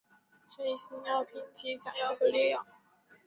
黑心药品即假药和劣药。